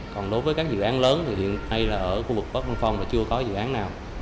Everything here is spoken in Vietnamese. còn đối với các dự án lớn hiện nay ở khu vực bắc vân phong chưa có dự án nào